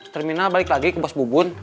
terminal balik lagi ke bos bubun